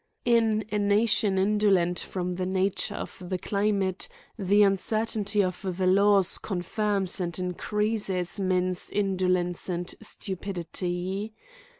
In a nation indolent from the nature of the cli mate, the uncertainty of the laws confirms and increases men's indolence and stupidity.